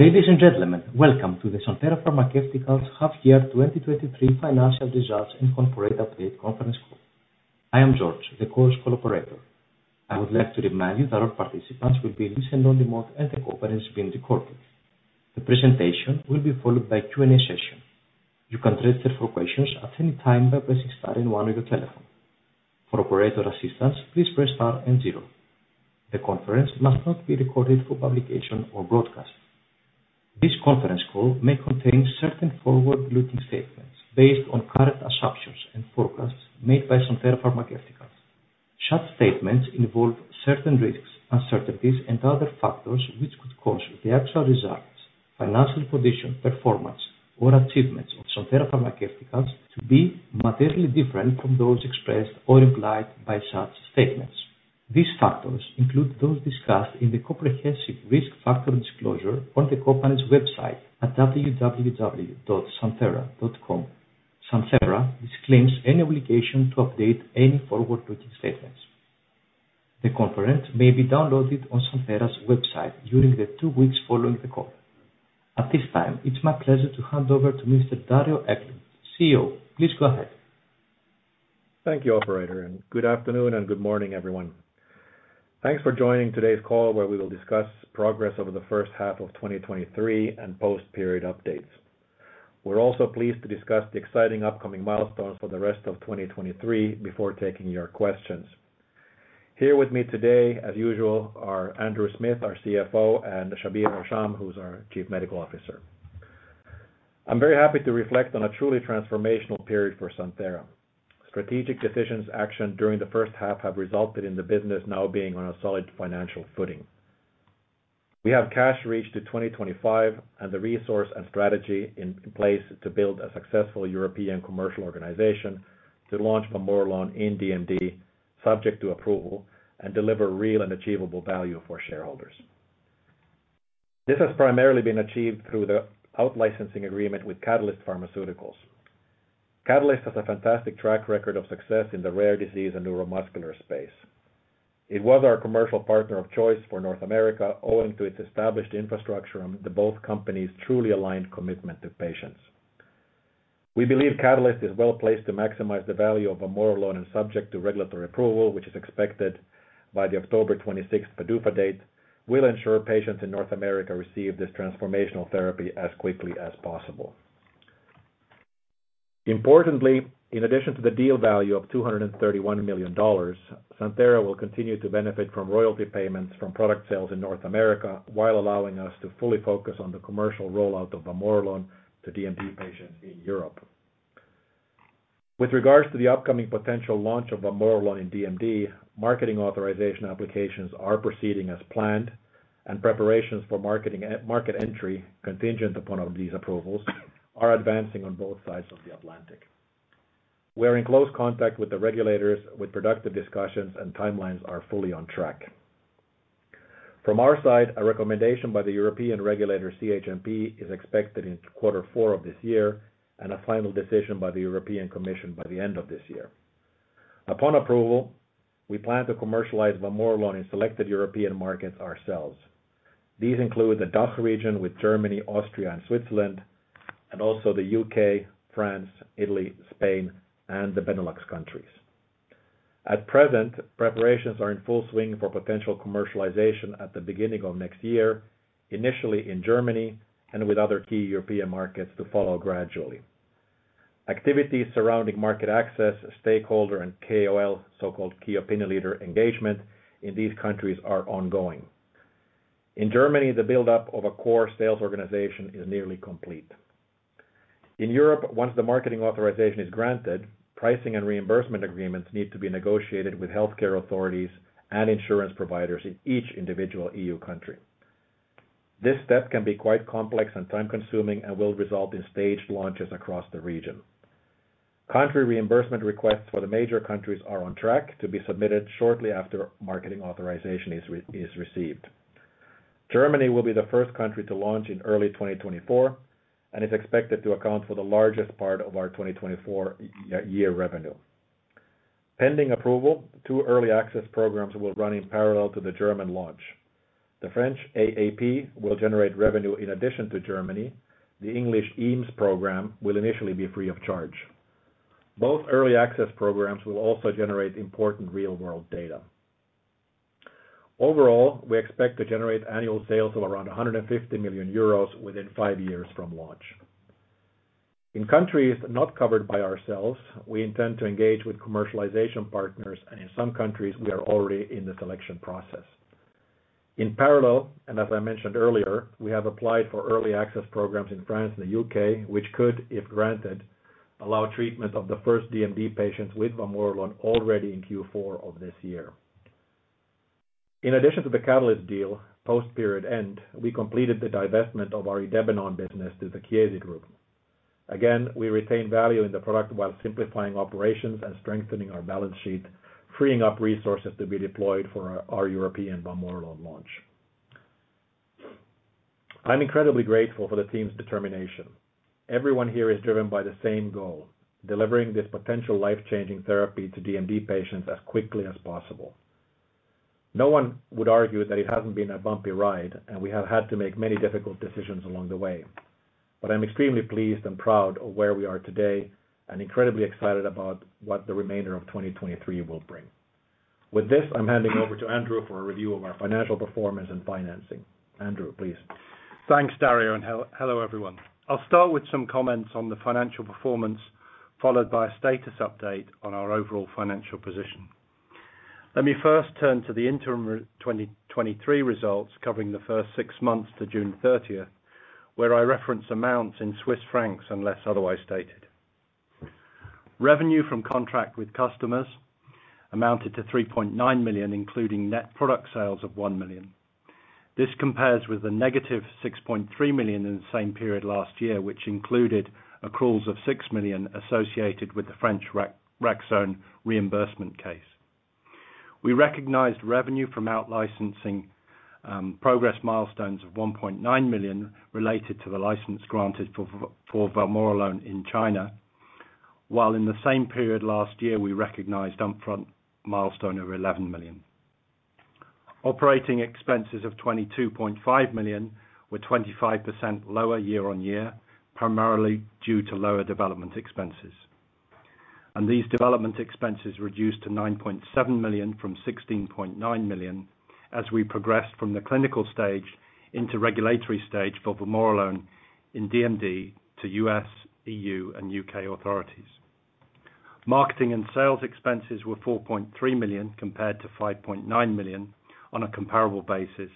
Ladies and gentlemen, welcome to the Santhera Pharmaceuticals Half Year 2023 Financial Results and Corporate Update conference call. I am George, the conference call operator. I would like to remind you that all participants will be in listen-only mode, and the conference is being recorded. The presentation will be followed by a Q&A session. You can raise your questions at any time by pressing star one on your telephone. For operator assistance, please press star zero. The conference must not be recorded for publication or broadcast. This conference call may contain certain forward-looking statements based on current assumptions and forecasts made by Santhera Pharmaceuticals. Such statements involve certain risks, uncertainties, and other factors which could cause the actual results, financial position, performance, or achievements of Santhera Pharmaceuticals to be materially different from those expressed or implied by such statements. These factors include those discussed in the comprehensive risk factor disclosure on the company's website at www.santhera.com. Santhera disclaims any obligation to update any forward-looking statements. The conference may be downloaded on Santhera's website during the two weeks following the call. At this time, it's my pleasure to hand over to Mr. Dario Eklund, CEO. Please go ahead. Thank you, operator, and good afternoon and good morning, everyone. Thanks for joining today's call, where we will discuss progress over the first half of 2023 and post-period updates. We're also pleased to discuss the exciting upcoming milestones for the rest of 2023 before taking your questions. Here with me today, as usual, are Andrew Smith, our CFO, and Shabir Hasham, who's our Chief Medical Officer. I'm very happy to reflect on a truly transformational period for Santhera. Strategic decisions actioned during the first half have resulted in the business now being on a solid financial footing. We have cash reach to 2025 and the resource and strategy in place to build a successful European commercial organization to launch vamorolone in DMD, subject to approval, and deliver real and achievable value for shareholders. This has primarily been achieved through the out-licensing agreement with Catalyst Pharmaceuticals. Catalyst has a fantastic track record of success in the rare disease and neuromuscular space. It was our commercial partner of choice for North America, owing to its established infrastructure and both companies' truly aligned commitment to patients. We believe Catalyst is well-placed to maximize the value of vamorolone, and subject to regulatory approval, which is expected by the October twenty-sixth PDUFA date, will ensure patients in North America receive this transformational therapy as quickly as possible. Importantly, in addition to the deal value of $231 million, Santhera will continue to benefit from royalty payments from product sales in North America, while allowing us to fully focus on the commercial rollout of vamorolone to DMD patients in Europe. With regards to the upcoming potential launch of vamorolone in DMD, marketing authorization applications are proceeding as planned, and preparations for marketing, market entry, contingent upon these approvals, are advancing on both sides of the Atlantic. We are in close contact with the regulators, with productive discussions, and timelines are fully on track. From our side, a recommendation by the European regulator, CHMP, is expected in quarter four of this year, and a final decision by the European Commission by the end of this year. Upon approval, we plan to commercialize vamorolone in selected European markets ourselves. These include the DACH region with Germany, Austria, and Switzerland, and also the UK, France, Italy, Spain, and the Benelux countries. At present, preparations are in full swing for potential commercialization at the beginning of next year, initially in Germany and with other key European markets to follow gradually. Activities surrounding market access, stakeholder and KOL, so-called key opinion leader engagement, in these countries are ongoing. In Germany, the buildup of a core sales organization is nearly complete. In Europe, once the marketing authorization is granted, pricing and reimbursement agreements need to be negotiated with healthcare authorities and insurance providers in each individual EU country. This step can be quite complex and time-consuming and will result in staged launches across the region. Country reimbursement requests for the major countries are on track to be submitted shortly after marketing authorization is received. Germany will be the first country to launch in early 2024 and is expected to account for the largest part of our 2024 year revenue. Pending approval, two early access programs will run in parallel to the German launch. The French AAP will generate revenue in addition to Germany. The English EAMS program will initially be free of charge. Both early access programs will also generate important real-world data. Overall, we expect to generate annual sales of around 150 million euros within five years from launch. In countries not covered by ourselves, we intend to engage with commercialization partners, and in some countries, we are already in the selection process. In parallel, and as I mentioned earlier, we have applied for early access programs in France and the U.K., which could, if granted, allow treatment of the first DMD patients with vamorolone already in Q4 of this year. In addition to the Catalyst deal, post-period end, we completed the divestment of our idebenone business to the Chiesi Group. Again, we retain value in the product while simplifying operations and strengthening our balance sheet, freeing up resources to be deployed for our European vamorolone launch. I'm incredibly grateful for the team's determination. Everyone here is driven by the same goal, delivering this potential life-changing therapy to DMD patients as quickly as possible. No one would argue that it hasn't been a bumpy ride, and we have had to make many difficult decisions along the way. But I'm extremely pleased and proud of where we are today, and incredibly excited about what the remainder of 2023 will bring. With this, I'm handing over to Andrew for a review of our financial performance and financing. Andrew, please. Thanks, Dario, and hello, everyone. I'll start with some comments on the financial performance, followed by a status update on our overall financial position. Let me first turn to the interim 2023 results, covering the first six months to June 30, where I reference amounts in Swiss francs, unless otherwise stated. Revenue from contract with customers amounted to 3.9 million, including net product sales of 1 million. This compares with a negative 6.3 million in the same period last year, which included accruals of 6 million associated with the French Raxone reimbursement case. We recognized revenue from out licensing progress milestones of 1.9 million related to the license granted for vamorolone in China. While in the same period last year, we recognized upfront milestone of 11 million. Operating expenses of 22.5 million were 25% lower year-on-year, primarily due to lower development expenses. These development expenses reduced to 9.7 million from 16.9 million, as we progressed from the clinical stage into regulatory stage for vamorolone in DMD to U.S., EU, and U.K. authorities. Marketing and sales expenses were 4.3 million, compared to 5.9 million on a comparable basis,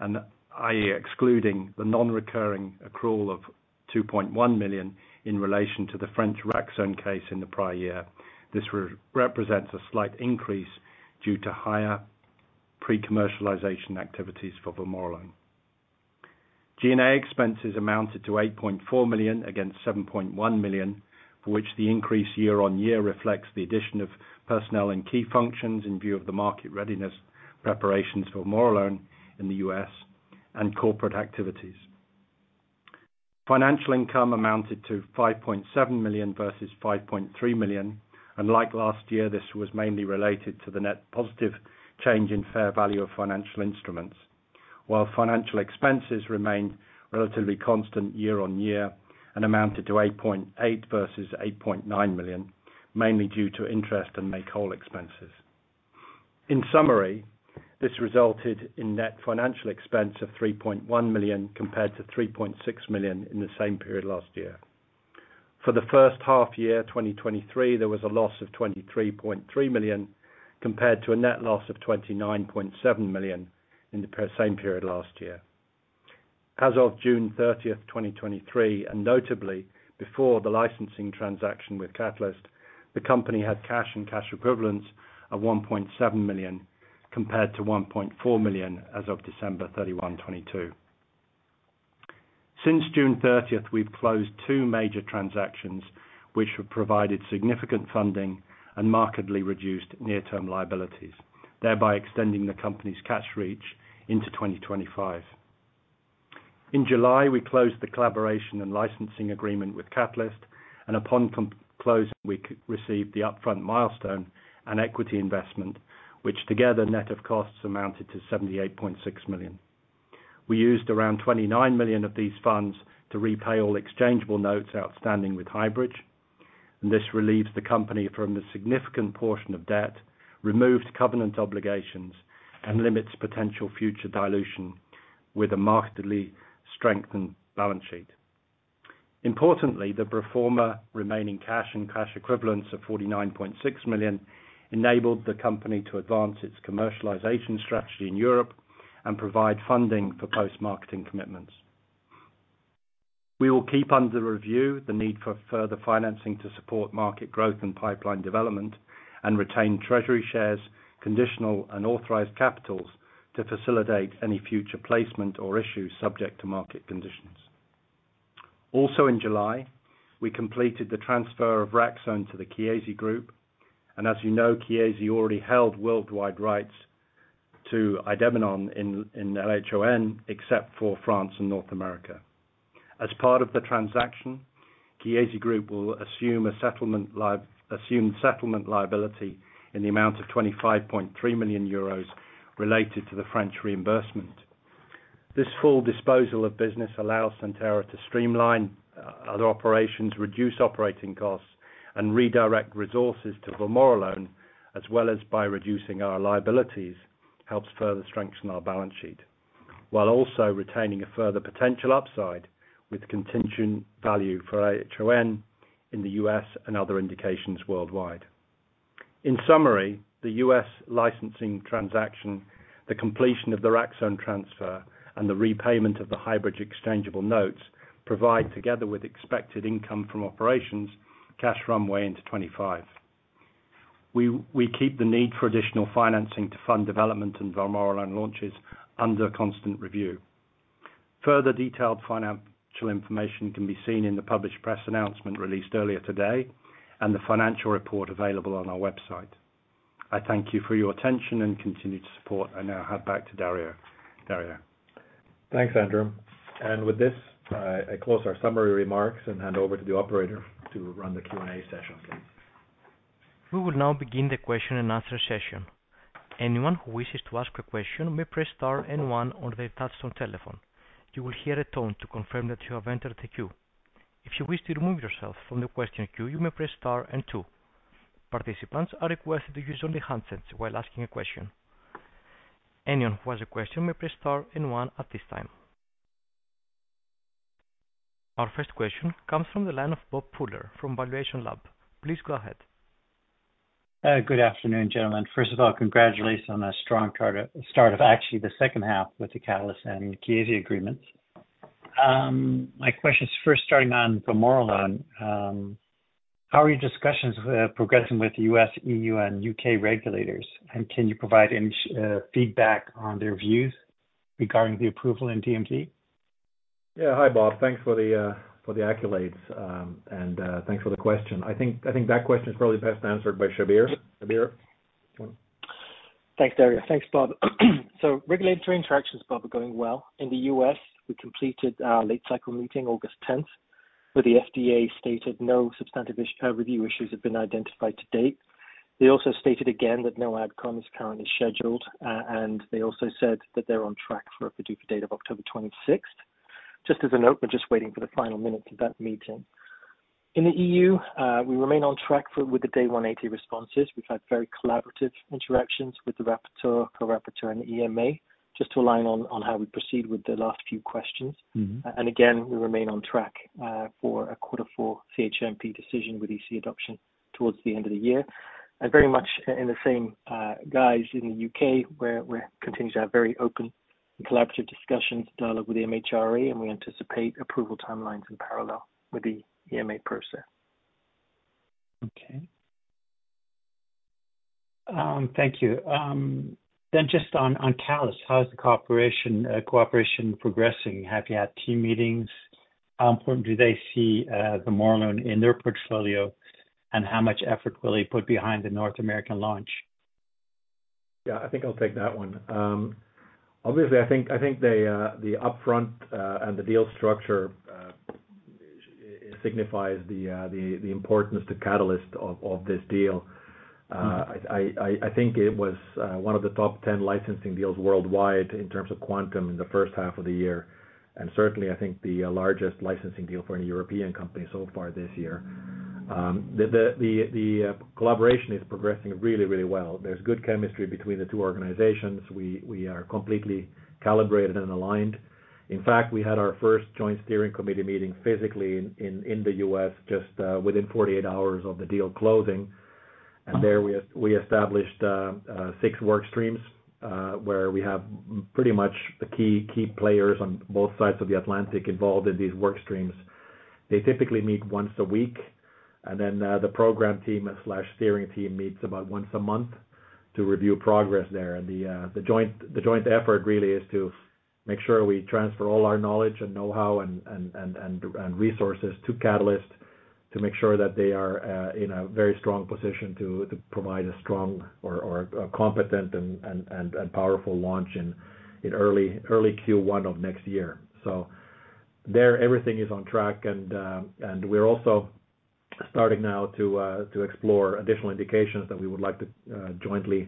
and i.e., excluding the non-recurring accrual of 2.1 million in relation to the French Raxone case in the prior year. This represents a slight increase due to higher pre-commercialization activities for vamorolone. G&A expenses amounted to 8.4 million against 7.1 million, for which the increase year-on-year reflects the addition of personnel in key functions in view of the market readiness, preparations for vamorolone in the U.S., and corporate activities. Financial income amounted to 5.7 million versus 5.3 million, and like last year, this was mainly related to the net positive change in fair value of financial instruments. While financial expenses remained relatively constant year-over-year and amounted to 8.8 versus 8.9 million, mainly due to interest and make-whole expenses. In summary, this resulted in net financial expense of 3.1 million compared to 3.6 million in the same period last year. For the first half year, 2023, there was a loss of 23.3 million, compared to a net loss of 29.7 million in the same period last year. As of June 30, 2023, and notably before the licensing transaction with Catalyst, the company had cash and cash equivalents of 1.7 million, compared to 1.4 million as of December 31, 2022. Since June 30, we've closed two major transactions, which have provided significant funding and markedly reduced near-term liabilities, thereby extending the company's cash reach into 2025. In July, we closed the collaboration and licensing agreement with Catalyst, and upon close, we received the upfront milestone and equity investment, which together net of costs, amounted to 78.6 million. We used around 29 million of these funds to repay all exchangeable notes outstanding with Highbridge, and this relieves the company from the significant portion of debt, removes covenant obligations, and limits potential future dilution with a markedly strengthened balance sheet. Importantly, the pro forma remaining cash and cash equivalents of 49.6 million enabled the company to advance its commercialization strategy in Europe and provide funding for post-marketing commitments. We will keep under review the need for further financing to support market growth and pipeline development, and retain treasury shares, conditional and authorized capitals to facilitate any future placement or issues subject to market conditions. Also, in July, we completed the transfer of Raxone to the Chiesi Group, and as you know, Chiesi already held worldwide rights to idebenone in LHON, except for France and North America. As part of the transaction, Chiesi Group will assume a settlement liability in the amount of 25.3 million euros related to the French reimbursement. This full disposal of business allows Santhera to streamline other operations, reduce operating costs, and redirect resources to vamorolone, as well as by reducing our liabilities, helps further strengthen our balance sheet, while also retaining a further potential upside with contingent value for LHON in the U.S. and other indications worldwide. In summary, the U.S. licensing transaction, the completion of the Raxone transfer, and the repayment of the Highbridge exchangeable notes provide, together with expected income from operations, cash runway into 2025. We keep the need for additional financing to fund development and vamorolone launches under constant review. Further detailed financial information can be seen in the published press announcement released earlier today, and the financial report available on our website. I thank you for your attention and continued support. I now hand back to Dario. Dario? Thanks, Andrew. And with this, I close our summary remarks and hand over to the operator to run the Q&A session, please. We will now begin the question-and-answer session. Anyone who wishes to ask a question may press star and one on their touchtone telephone. You will hear a tone to confirm that you have entered the queue. If you wish to remove yourself from the question queue, you may press star and two. Participants are requested to use only handsets while asking a question. Anyone who has a question may press star and one at this time. Our first question comes from the line of Bob Pooler from ValuationLAB. Please go ahead. Good afternoon, gentlemen. First of all, congratulations on a strong quarter start of actually the second half with the Catalyst and Chiesi agreements. My question is first starting on vamorolone. How are your discussions progressing with the U.S., E.U., and U.K. regulators? And can you provide any feedback on their views regarding the approval in DMD? Yeah. Hi, Bob. Thanks for the accolades. And thanks for the question. I think that question is probably best answered by Shabir. Shabir? Thanks, Dario. Thanks, Bob. Regulatory interactions, Bob, are going well. In the U.S., we completed our late-cycle meeting August 10, where the FDA stated no substantive review issues have been identified to date. They also stated again that no AdCom is currently scheduled, and they also said that they're on track for a PDUFA date of October 26. Just as a note, we're just waiting for the final minutes of that meeting. In the EU, we remain on track with the Day 180 responses. We've had very collaborative interactions with the rapporteur, co-rapporteur, and the EMA, just to align on how we proceed with the last few questions. Again, we remain on track for a quarter four CHMP decision with EC adoption towards the end of the year. Very much in the same guise in the UK, where we're continuing to have very open and collaborative discussions, dialogue with the MHRA, and we anticipate approval timelines in parallel with the EMA process. Okay. Thank you. Then just on Catalyst, how is the cooperation progressing? Have you had team meetings? How important do they see vamorolone in their portfolio, and how much effort will they put behind the North American launch? Yeah, I think I'll take that one. Obviously, I think, I think the, the upfront, and the deal structure, signifies the, the importance to Catalyst of, of this deal. I, I, I think it was, one of the top 10 licensing deals worldwide in terms of quantum in the first half of the year, and certainly, I think the largest licensing deal for any European company so far this year. The, the, the, the, collaboration is progressing really, really well. There's good chemistry between the two organizations. We, we are completely calibrated and aligned. In fact, we had our first joint steering committee meeting physically in, in, in the U.S. just, within 48 hours of the deal closing. We established six work streams, where we have pretty much the key players on both sides of the Atlantic involved in these work streams. They typically meet once a week, and then, the program team slash steering team meets about once a month to review progress there. And the joint effort really is to make sure we transfer all our knowledge and know-how and resources to Catalyst to make sure that they are in a very strong position to provide a strong or a competent and powerful launch in early Q1 of next year. So there, everything is on track and we're also starting now to explore additional indications that we would like to jointly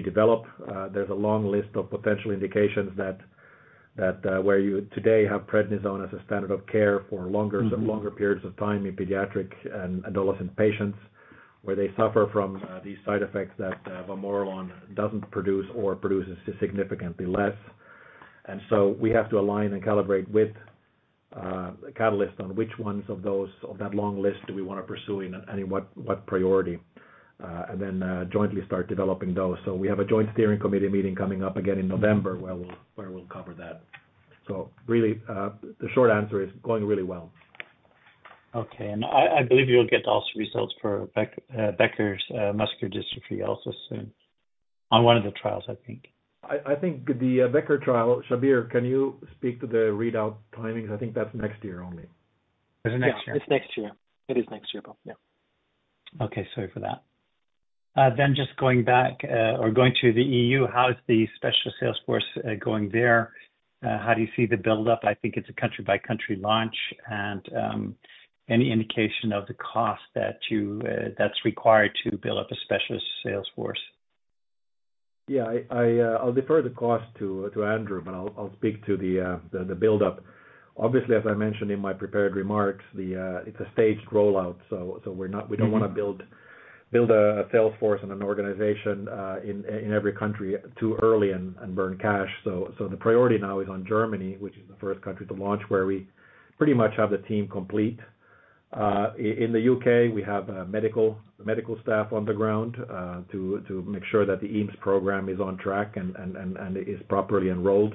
develop. There's a long list of potential indications that where you today have prednisone as a standard of care for longer- longer periods of time in pediatric and adolescent patients, where they suffer from, these side effects that, vamorolone doesn't produce or produces significantly less. And so we have to align and calibrate with, Catalyst on which ones of those, of that long list do we want to pursue and, in what priority, and then, jointly start developing those. So we have a joint steering committee meeting coming up again in November, where we'll cover that. So really, the short answer is, going really well. Okay. And I believe you'll get also results for Becker's muscular dystrophy also soon, on one of the trials, I think. I think the Becker's trial... Shabir, can you speak to the readout timings? I think that's next year only. Is it next year? Yeah, it's next year. It is next year, Bob. Yeah. Okay. Sorry for that. Then just going back, or going to the EU, how is the specialist sales force going there? How do you see the build-up? I think it's a country-by-country launch. And, any indication of the cost that you, that's required to build up a specialist sales force? Yeah, I'll defer the cost to Andrew, but I'll speak to the build-up. Obviously, as I mentioned in my prepared remarks, it's a staged rollout, so we're not- we don't want to build a sales force and an organization in every country too early and burn cash. So the priority now is on Germany, which is the first country to launch, where we pretty much have the team complete. In the U.K., we have medical staff on the ground to make sure that the EAMS program is on track and is properly enrolled.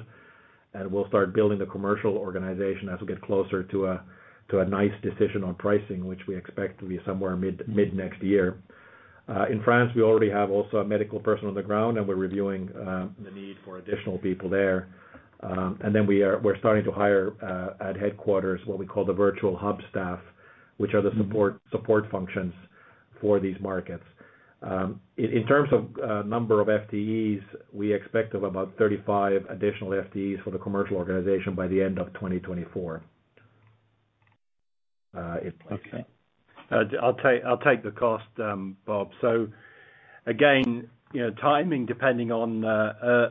And we'll start building the commercial organization as we get closer to a NICE decision on pricing, which we expect to be somewhere mid-next year. In France, we already have also a medical person on the ground, and we're reviewing the need for additional people there. Then we're starting to hire at headquarters what we call the virtual hub staff, which are the support functions for these markets. In terms of number of FTEs, we expect of about 35 additional FTEs for the commercial organization by the end of 2024. If, if- Okay. I'll take, I'll take the cost, Bob. So again, you know, timing depending on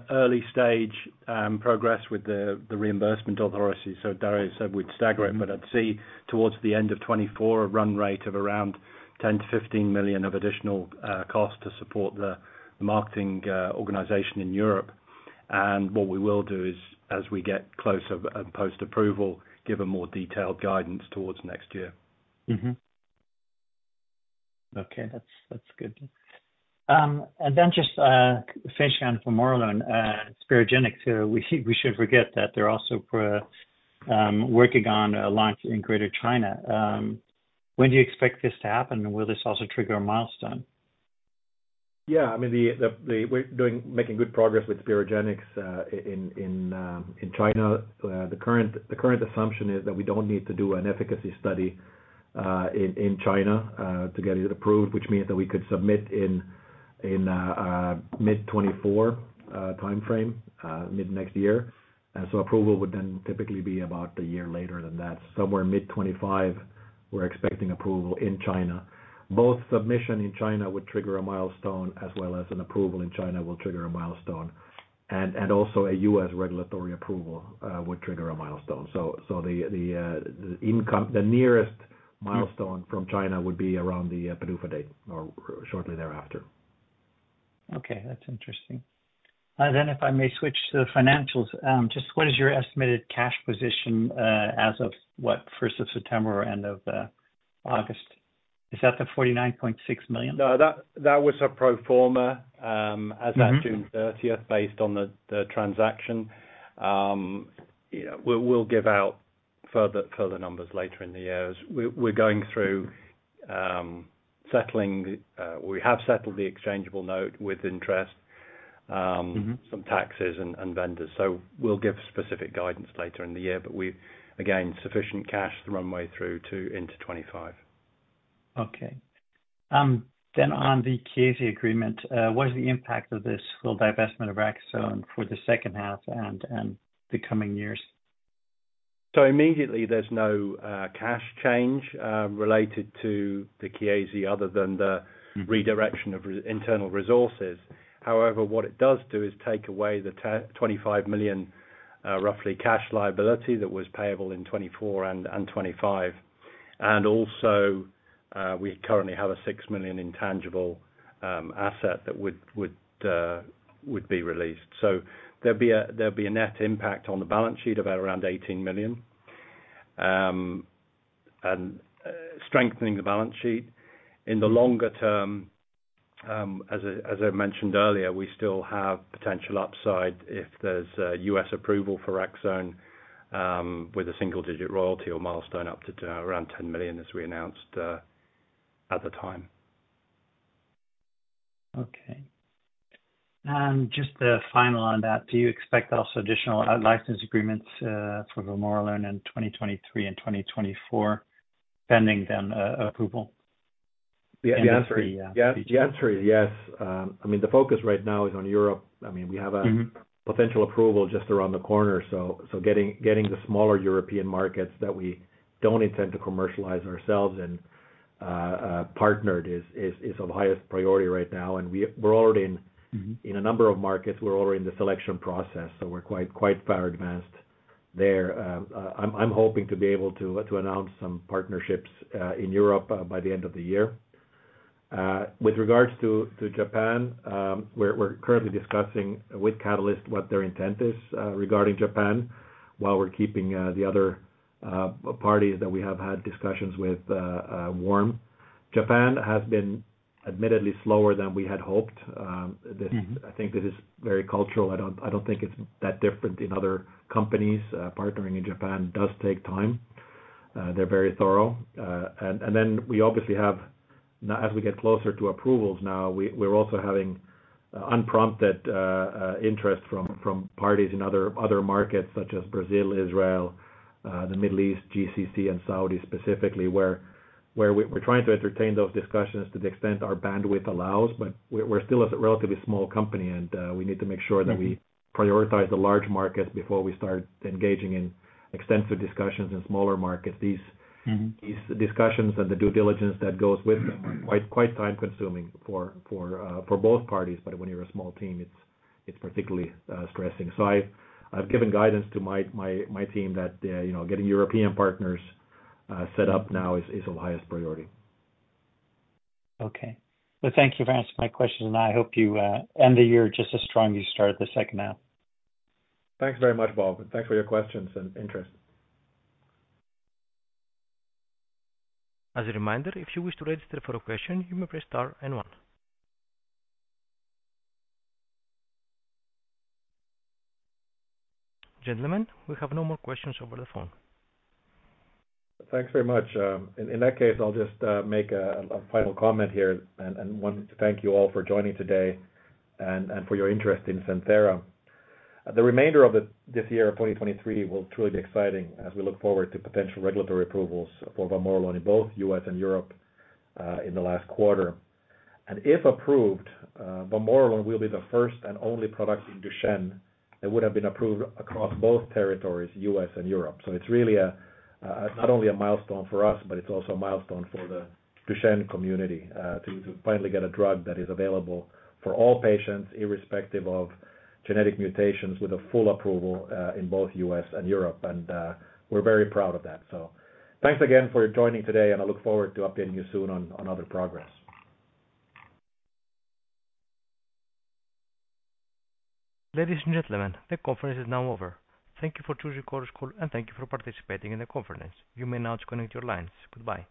early stage progress with the reimbursement authorities. So Dario said we'd stagger it, but I'd see towards the end of 2024, a run rate of around 10 million-15 million of additional cost to support the marketing organization in Europe. And what we will do is, as we get closer and post-approval, give a more detailed guidance towards next year. Okay, that's, that's good. And then just finishing on vamorolone, Sperogenix, we should forget that they're also working on a launch in Greater China. When do you expect this to happen, and will this also trigger a milestone? Yeah, I mean, we're making good progress with Sperogenix in China. The current assumption is that we don't need to do an efficacy study in China to get it approved, which means that we could submit in mid-2024 timeframe, mid next year. So approval would then typically be about a year later than that. Somewhere mid-2025, we're expecting approval in China. Both submission in China would trigger a milestone, as well as an approval in China will trigger a milestone. And also a U.S. regulatory approval would trigger a milestone. The nearest milestone from China would be around the PDUFA date or shortly thereafter. Okay, that's interesting. Then if I may switch to financials, just what is your estimated cash position, as of what? First of September or end of August. Is that the 49.6 million? No, that, that was a pro forma. as at June thirtieth, based on the transaction. Yeah, we'll give out further numbers later in the year, as we're going through settling... We have settled the exchangeable note with interest. some taxes and vendors. So we'll give specific guidance later in the year, but we've again sufficient cash runway through to into 2025. Okay. Then on the Chiesi agreement, what is the impact of this full divestment of Raxone for the second half and, and the coming years? So immediately there's no cash change related to the Chiesi other than the- redirection of internal resources. However, what it does do is take away the roughly 25 million cash liability that was payable in 2024 and 2025. And also, we currently have a 6 million intangible asset that would be released. So there'll be a net impact on the balance sheet of around 18 million, strengthening the balance sheet. In the longer term, as I mentioned earlier, we still have potential upside if there's a US approval for Raxone, with a single-digit royalty or milestone up to around 10 million, as we announced at the time. Okay. And just the final on that, do you expect also additional license agreements for vamorolone in 2023 and 2024, pending then, approval? The answer- Yeah. The answer is yes. I mean, the focus right now is on Europe. I mean, we have a- potential approval just around the corner, so getting the smaller European markets that we don't intend to commercialize ourselves and partnered is of highest priority right now. And we're already in- in a number of markets, we're already in the selection process, so we're quite, quite far advanced there. I'm hoping to be able to announce some partnerships in Europe by the end of the year. With regards to Japan, we're currently discussing with Catalyst what their intent is regarding Japan, while we're keeping the other parties that we have had discussions with warm. Japan has been admittedly slower than we had hoped. this, I think this is very cultural. I don't think it's that different in other companies. Partnering in Japan does take time. They're very thorough. And then we obviously have, now as we get closer to approvals, now we're also having unprompted interest from parties in other markets such as Brazil, Israel, the Middle East, GCC and Saudi specifically, where we're trying to entertain those discussions to the extent our bandwidth allows. But we're still a relatively small company, and we need to make sure that we- prioritize the large markets before we start engaging in extensive discussions in smaller markets. These discussions and the due diligence that goes with them are quite time-consuming for both parties, but when you're a small team, it's particularly stressing. So I've given guidance to my team that, you know, getting European partners set up now is of highest priority. Okay. Well, thank you for answering my questions, and I hope you end the year just as strong as you start the second half. Thanks very much, Bob. Thanks for your questions and interest. As a reminder, if you wish to register for a question, you may press star and one. Gentlemen, we have no more questions over the phone. Thanks very much. In that case, I'll just make a final comment here, and want to thank you all for joining today and for your interest in Santhera. The remainder of this year, 2023, will truly be exciting as we look forward to potential regulatory approvals for vamorolone in both U.S. and Europe in the last quarter. And if approved, vamorolone will be the first and only product in Duchenne that would have been approved across both territories, U.S. and Europe. So it's really a not only a milestone for us, but it's also a milestone for the Duchenne community to finally get a drug that is available for all patients, irrespective of genetic mutations, with a full approval in both U.S. and Europe, and we're very proud of that. Thanks again for joining today, and I look forward to updating you soon on other progress. Ladies and gentlemen, the conference is now over. Thank you for choosing Chorus Call, and thank you for participating in the conference. You may now disconnect your lines. Goodbye.